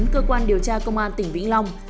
cơ quan điều tra công an tỉnh vĩnh long